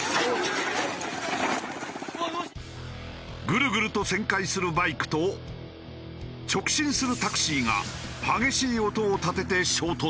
グルグルと旋回するバイクと直進するタクシーが激しい音を立てて衝突。